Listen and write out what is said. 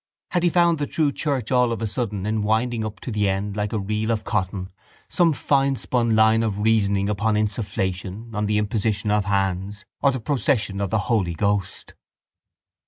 Had he found the true church all of a sudden in winding up to the end like a reel of cotton some finespun line of reasoning upon insufflation on the imposition of hands or the procession of the Holy Ghost?